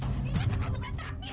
ini juga bukan takdir